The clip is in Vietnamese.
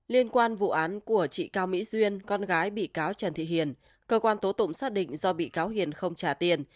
liên quan vụ án của chị cao mỹ duyên con gái bị cáo trần thị hiền cơ quan tố tụng xác định do bị cáo hiền không trả tiền